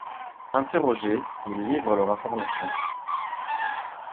Interrogés ils livrent leur information.